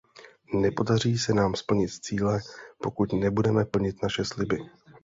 Nepodaří se nám splnit cíle, pokud nebudeme plnit naše sliby.